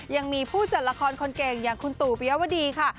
ยังมีผู้จัดละครคนเก่งอย่างคุณตู่ปิยวดีค่ะ